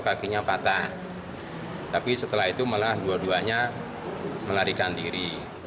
kakinya patah tapi setelah itu malah dua duanya melarikan diri